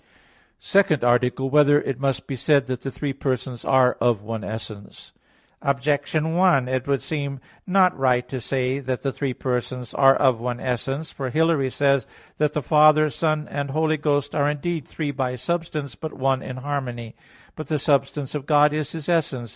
_______________________ SECOND ARTICLE [I, Q. 39, Art. 2] Whether It Must Be Said That the Three Persons Are of One Essence? Objection 1: It would seem not right to say that the three persons are of one essence. For Hilary says (De Synod.) that the Father, Son and Holy Ghost "are indeed three by substance, but one in harmony." But the substance of God is His essence.